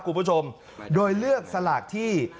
คุณผู้ชมโดยเลือกสลากที่